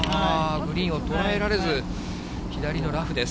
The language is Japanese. グリーンを捉えられず、左のラフです。